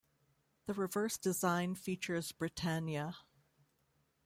The reverse design features Britannia.